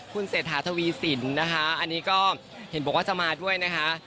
คุณเศรษฐาทวีสินนะคะอันนี้ก็เห็นบอกว่าจะมาด้วยนะคะ